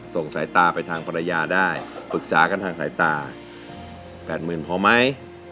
ส่งสายตาไปทางปรยาได้